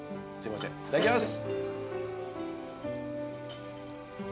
アジいただきます。